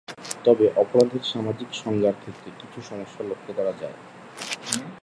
তবে অপরাধের সামাজিক সংজ্ঞার ক্ষেত্রে কিছু সমস্যা লক্ষ্য করা যায়।